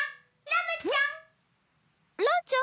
ランちゃん？